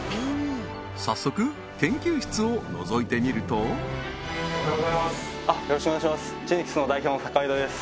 早速研究室をのぞいてみるとおはようございますあっよろしくお願いします